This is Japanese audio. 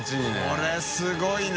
これすごいな。